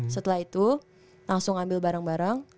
setelah itu langsung ambil barang barang